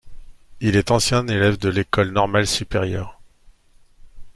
Il est ancien élève de l’École normale supérieure.